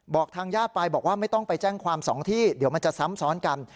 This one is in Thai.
ทางญาติไปบอกว่าไม่ต้องไปแจ้งความสองที่เดี๋ยวมันจะซ้ำซ้อนกัน